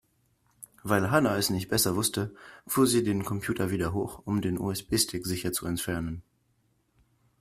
Weil Hanna es nicht besser wusste, fuhr sie den Computer wieder hoch, um den USB-Stick sicher zu entfernen.